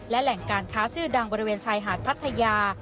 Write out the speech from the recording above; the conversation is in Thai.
และแหล่งการค้าชื่อดังบริเวณชายหาดพัทยา